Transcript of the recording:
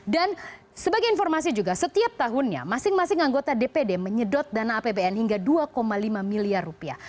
dan sebagai informasi juga setiap tahunnya masing masing anggota dpd menyedot dana apbn hingga dua lima miliar rupiah